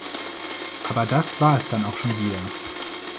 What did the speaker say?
Aber das war es dann auch schon wieder.